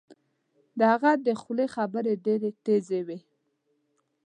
د هغه د خولې خبرې ډیرې تېزې وې